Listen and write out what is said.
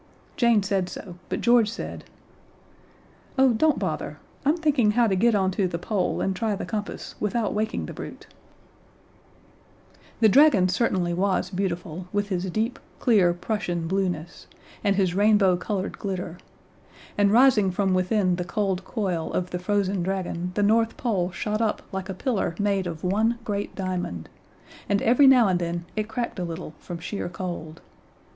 Jane said so, but George said, "Oh, don't bother; I'm thinking how to get onto the Pole and try the compass without waking the brute." [Illustration: "Sure enough, it was a dragon." See page 68.] The dragon certainly was beautiful, with his deep, clear Prussian blueness, and his rainbow colored glitter. And rising from within the cold coil of the frozen dragon the North Pole shot up like a pillar made of one great diamond, and every now and then it cracked a little, from sheer cold.